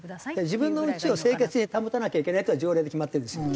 自分の家を清潔に保たなきゃいけないっていうのは条例で決まってるんですよ。